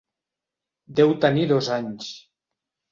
Deu tenir dos anys.